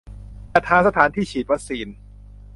-จัดหาสถานที่ฉีดวัคซีน